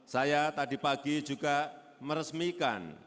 saya tadi pagi juga meresmikan